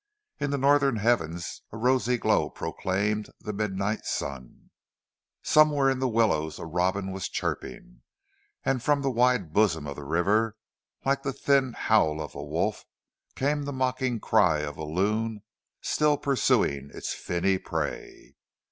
In the northern heavens a rosy glow proclaimed the midnight sun. Somewhere in the willows a robin was chirping, and from the wide bosom of the river, like the thin howl of a wolf, came the mocking cry of a loon still pursuing its finny prey.